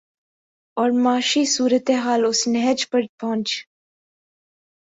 اور معاشی صورت حال اس نہج پر پہنچ